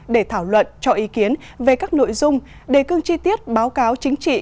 để thảo luận cho ý kiến về các nội dung đề cương chi tiết báo cáo chính trị